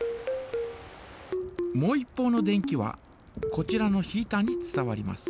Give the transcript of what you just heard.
もう一方の電気はこちらのヒータに伝わります。